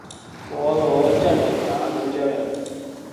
可能我真係假廣州人